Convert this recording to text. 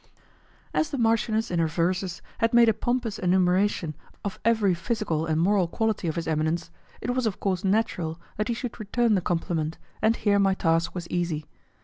As the marchioness in her verses had made a pompous enumeration of every physical and moral quality of his eminence, it was of course natural that he should return the compliment, and here my task was easy.